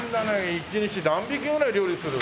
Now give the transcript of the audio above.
一日何匹ぐらい料理する？